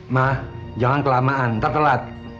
ma jangan kelamaan entar telat